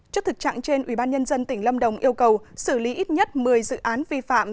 trước thực trạng trên ubnd tỉnh lâm đồng yêu cầu xử lý ít nhất một mươi dự án vi phạm